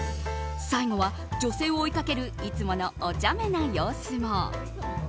最後は女性を追いかけるいつものおちゃめな様子も。